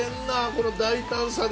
この大胆さで。